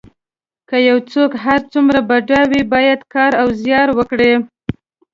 که یو څوک هر څومره بډای وي باید کار او زیار وکړي.